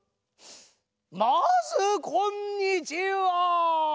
まずこんにちは。